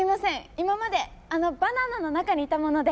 今まであのバナナの中にいたもので。